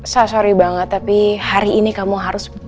saya sorry banget tapi hari ini kamu harus